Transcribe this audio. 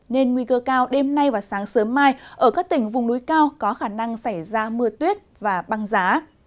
nên nguy cơ cao đêm nay và sáng sớm mai ở các tỉnh vùng núi cao có khả năng xảy ra mưa tuyết và băng giá